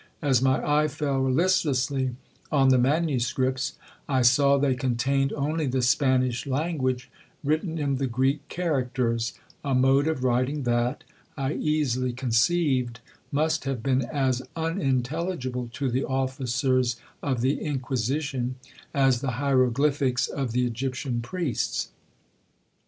As my eye fell listlessly on the manuscripts, I saw they contained only the Spanish language written in the Greek characters—a mode of writing that, I easily conceived, must have been as unintelligible to the officers of the Inquisition, as the Hieroglyphics of the Egyptian priests.